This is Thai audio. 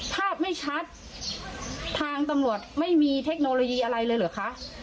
ภาพไม่ชัดทางตำรวจไม่มีเทคโนโลยีอะไรเลยเหรอคะ